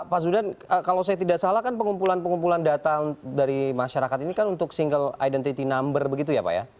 pak zudan kalau saya tidak salah kan pengumpulan pengumpulan data dari masyarakat ini kan untuk single identity number begitu ya pak ya